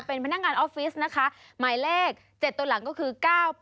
เป็นพนักงานออฟฟิศนะคะหมายเลข๗ตัวหลังก็คือ๙๘